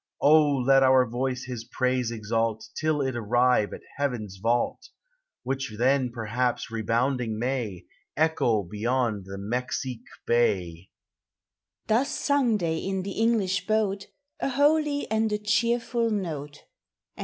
O, let our voice his praise exalt Till it arrive at heaven's vault, Which then perhaps rebounding may Echo beyond the Mexique bay